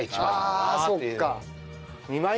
ああそうか。